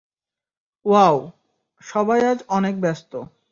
Wow, সবাই আজ অনেক ব্যস্ত।